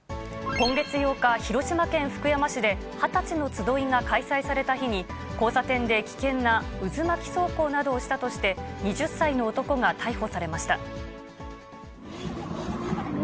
今月８日、広島県福山市で、二十歳の集いが開催された日に、交差点で危険な渦巻き走行などをしたとして、２０歳の男が逮捕されました。